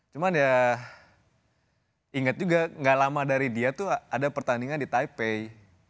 cuman ya inget juga gak lama dari dia tuh ada pertandingan di taipei